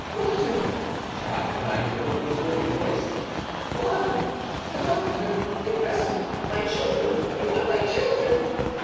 "Water!" cried the dying woman in a broken voice,—"water! A doctor, a confessor! My children—I want my children!"